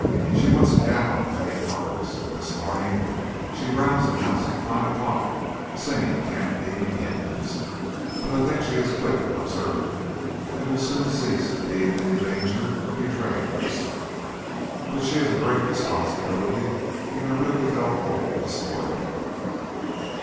She wants a gown of many colours, and this morning she roused the house at five o'clock singing camp meeting hymns. But I think she is quick and observant, and will soon cease to be in any danger of betraying herself. But she is a great responsibility, and I really felt old this morning."